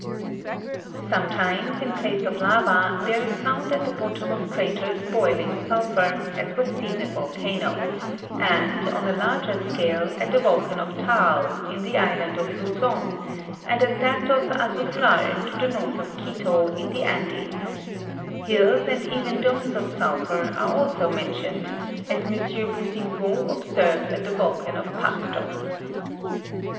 26. Sometimes, in place of lava, there is found at the bottom of craters boiling sulphur, as was seen at Vulcano, and, on a larger scale, at the volcan of Taal, in the island of Luzon, and at that of Azufral, to the north of Quito, in the Andes ; hills, and even domes of sulphur, are also mentioned, as M. Boussingault observed at the volcan of Pasto.